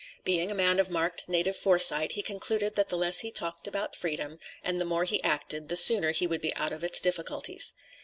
Being a man of marked native foresight, he concluded that the less he talked about freedom and the more he acted the sooner he would be out of his difficulties.